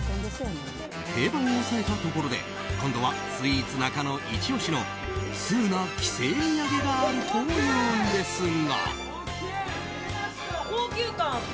定番を押さえたところで今度はスイーツなかのイチ押しのツウな帰省土産があるというんですが。